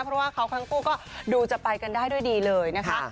เพราะว่าเขาทั้งคู่ก็ดูจะไปกันได้ด้วยดีเลยนะคะ